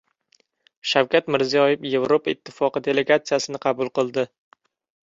Shavkat Mirziyoyev Yevropa Ittifoqi delegatsiyasini qabul qildi